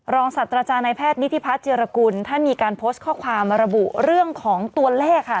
รองศัตรรจานายแพทย์นิทิพัทย์เจรกุลท่านมีการโพสต์ข้อความระบุเรื่องของตัวแรกค่ะ